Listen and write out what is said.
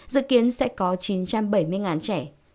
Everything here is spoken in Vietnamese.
dự kiến sẽ có chín trăm bảy mươi trẻ